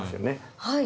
はい。